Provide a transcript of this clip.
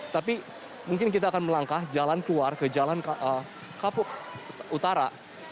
tapi mungkin kita akan melangkah jalan keluar ke jalan kapuk utara